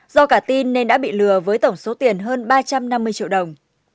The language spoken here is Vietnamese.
do cả tin nên đã bị lừa với tổng số tiền hơn ba trăm năm mươi triệu đồng